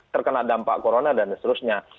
terkena dampak corona dan seterusnya